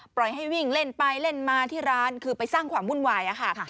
ปล่อยให้วิ่งเล่นไปเล่นมาที่ร้านคือไปสร้างความวุ่นวายค่ะ